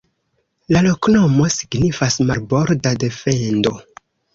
La loknomo signifas: "Marborda defendo".